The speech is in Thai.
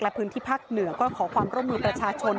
และพื้นที่ภาคเหนือก็ขอความร่วมมือประชาชน